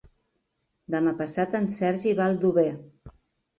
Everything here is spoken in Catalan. Demà passat en Sergi va a Aldover.